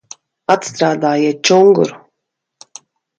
Atstrādājiet čunguru!